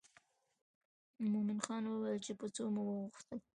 مومن خان وویل په څو مو وغوښتله.